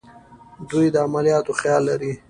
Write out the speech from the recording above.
دوی د عملیاتو خیال لري.